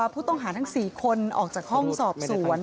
ผู้ต้องหาทั้ง๔คนออกจากห้องสอบสวน